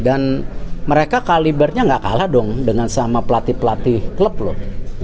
mereka kalibernya gak kalah dong dengan sama pelatih pelatih klub loh